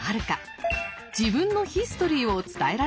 自分のヒストリーを伝えられているか。